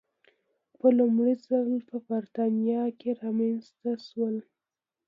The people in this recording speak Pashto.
په لومړي ځل په برېټانیا کې رامنځته شول.